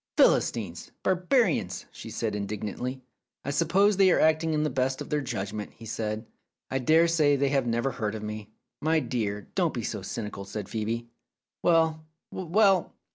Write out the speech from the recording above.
"Philistines! Barbarians!" she said indig nantly. "I suppose they are acting to the best of their judgment," said he. "I dare say they have never heard of me." "My dear, don't be so cynical," said Phcebe. "Well, well!